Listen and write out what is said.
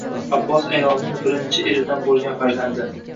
Abbos ayolning birinchi eridan bo`lgan farzandi